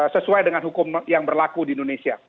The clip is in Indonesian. sesuai dengan hukum yang berlaku di indonesia